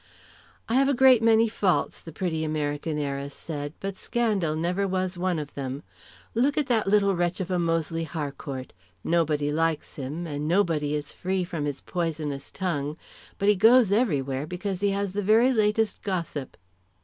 "I have a great many faults," the pretty American heiress said, "but scandal never was one of them. Look at that little wretch of a Mosley Harcourt. Nobody likes him, and nobody is free from his poisonous tongue, but he goes everywhere because he has the very latest gossip."